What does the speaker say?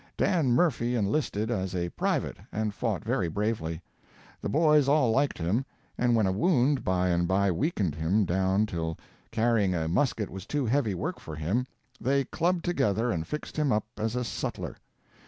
Dan Murphy enlisted as a private, and fought very bravely. The boys all liked him, and when a wound by and by weakened him down till carrying a musket was too heavy work for him, they clubbed together and fixed him up as a sutler.